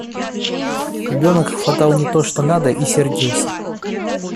Ребенок хватал не то, что надо, и сердился.